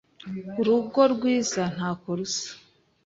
Urugo rwiza ntako rusa.